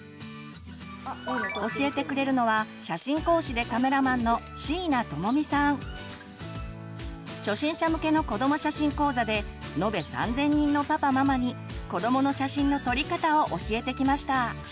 教えてくれるのは初心者向けの子ども写真講座で延べ３，０００人のパパママに子どもの写真の撮り方を教えてきました。